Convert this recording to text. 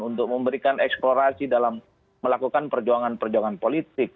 untuk memberikan eksplorasi dalam melakukan perjuangan perjuangan politik